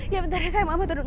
ya bentar saya mama turun